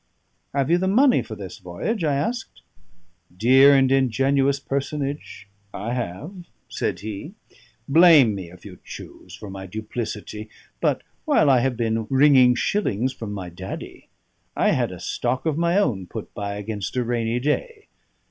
"Have you the money for this voyage?" I asked. "Dear and ingenuous personage, I have," said he. "Blame me, if you choose, for my duplicity; but while I have been wringing shillings from my daddy, I had a stock of my own put by against a rainy day.